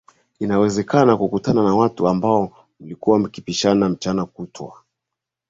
Inawezekana kukutana na watu ambao mlikuwa mkipishana mchana kutwa